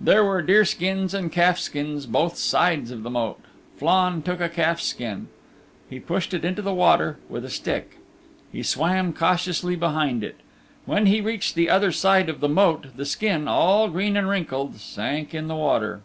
There were deer skins and calf skins both sides of the moat. Flann took a calf's skin. He pushed it into the water with a stick. He swam cautiously behind it. When he reached the other side of the moat, the skin, all green and wrinkled, sank in the water.